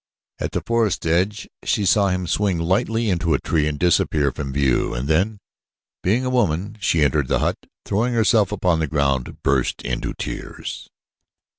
At the forest's edge she saw him swing lightly into a tree and disappear from view, and then, being a woman, she entered the hut and, throwing herself upon the ground, burst into tears.